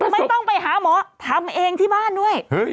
ไม่ต้องไปหาหมอทำเองที่บ้านด้วย